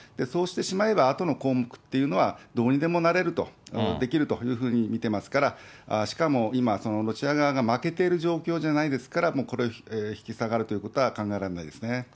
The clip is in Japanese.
そうしてしまえばあとの項目っていうのは、どうにでもなれると、できるというふうに見てますから、しかも今、ロシア側が負けている状況じゃないですから、これは引き下がるということは考えられないですね。